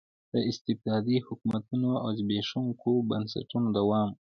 د استبدادي حکومتونو او زبېښونکو بنسټونو دوام و.